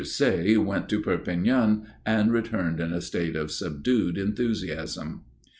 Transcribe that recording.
Say went to Perpignan and returned in a state of subdued enthusiasm.